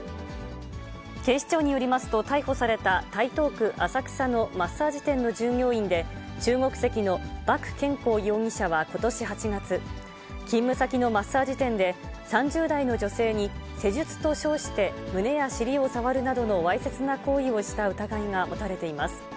警視庁によりますと、逮捕された台東区浅草のマッサージ店の従業員で、中国籍の麦建康容疑者はことし８月、勤務先のマッサージ店で、３０代の女性に施術と称して、胸や尻を触るなどのわいせつな行為をした疑いが持たれています。